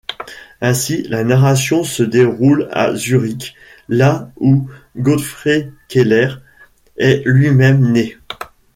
Ainsi, la narration se déroule à Zurich, là où Gottfried Keller est lui-même né.